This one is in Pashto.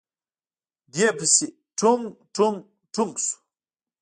دې پسې ټونګ ټونګ ټونګ شو.